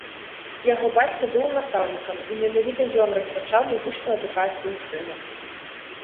Яго бацька быў настаўнікам і менавіта ён распачаў музычную адукацыю сына.